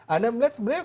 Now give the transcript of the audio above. anda melihat sebenarnya